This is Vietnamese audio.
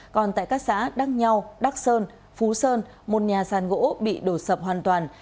còn tại các xã đăng nhau đắc sơn phú sơn một nhà sàn gỗ bị đổ sập hoàn toàn